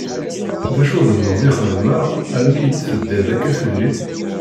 D acu n ddnub i xedmeɣ armi i tt-teddiḍ akka fell-i?